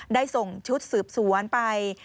ได้ส่งชุดสืบสวนไป